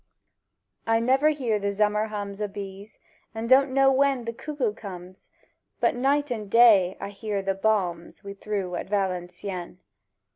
I never hear the zummer hums O' bees; and don' know when the cuckoo comes; But night and day I hear the bombs We threw at Valencieën .